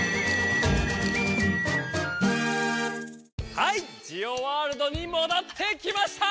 はいジオワールドにもどってきました！